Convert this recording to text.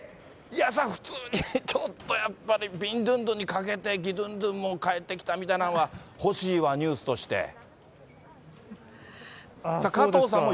そりゃ、普通に、ちょっとやっぱり、ビンドゥンドゥンにかけてギドゥンドゥンも帰ってきたみたいなのは欲しいわ、ニュースとして。